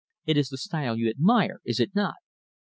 "It is the style you admire, is it not?"